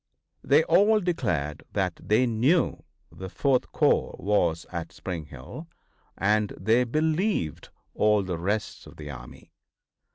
They all declared that they knew the Fourth corps was at Spring Hill, and they believed all the rest of the army.